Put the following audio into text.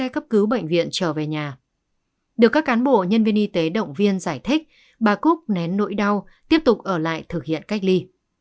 các cán bộ nhân viên y tế động viên giải thích bà cúc nén nỗi đau tiếp tục ở lại thực hiện cách ly